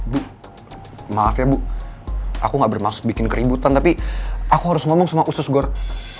bu maaf ya bu aku gak bermaksud bikin keributan tapi aku harus ngomong sama usus gor